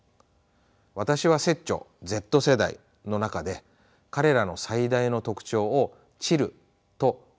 私は拙著「Ｚ世代」の中で彼らの最大の特徴をチルとミーを挙げています。